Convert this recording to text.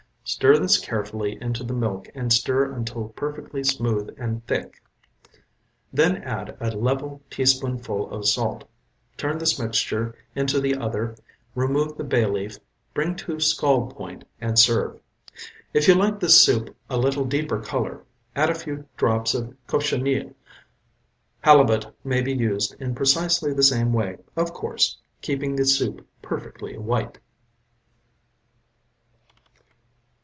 Stir this carefully into the milk and stir until perfectly smooth and thick. Then add a level teaspoonful of salt; turn this mixture into the other, remove the bay leaf, bring to scald point, and serve. If you like this soup a little deeper color, add a few drops of cochineal. Halibut may be used in precisely the same way, of course, keeping the soup perfectly white.